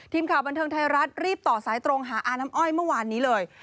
ทีมข่าวบันเทิงไทยรัฐรีบต่อสายตรงหาอาน้ำอ้อยเมื่อวานนี้เลย